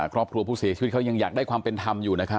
ก็ชื่นใจมานิดนึง